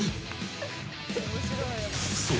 ［そう。